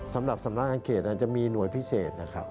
สำหรับสำนักงานเขตอาจจะมีหน่วยพิเศษนะครับ